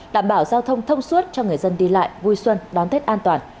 đảm bảo giao thông thông suốt cho người dân đi lại vui xuân đón tết an toàn